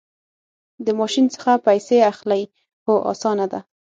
د ماشین څخه پیسې اخلئ؟ هو، اسانه ده